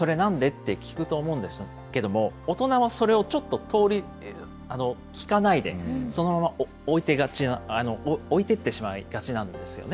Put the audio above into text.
と聞くと思うんですけども、大人はそれをちょっと聞かないで、そのまま置いてってしまいがちなんですよね。